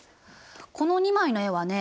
この２枚の絵はね